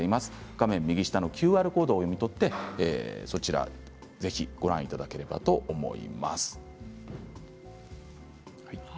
画面右下のＱＲコードを読み取ってぜひご覧いただければと思います。